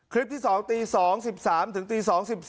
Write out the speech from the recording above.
คลิปที่๒ตี๒๑๓ถึงตี๒๑๔